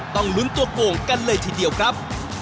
ต้องลุ้นตัวโก่งกันเลยทีเดียวครับ